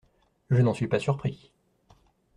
Je n'en suis pas surpris.